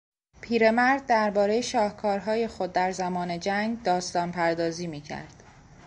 پیرمرد دربارهی شاهکارهای خود در زمان جنگ داستانپردازی میکرد.